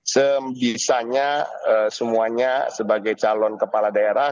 sebisanya semuanya sebagai calon kepala daerah